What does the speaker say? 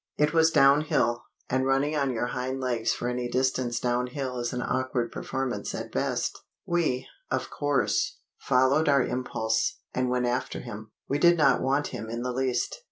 It was downhill, and running on your hind legs for any distance downhill is an awkward performance at best. We, of course, followed our impulse, and went after him. We did not want him in the least.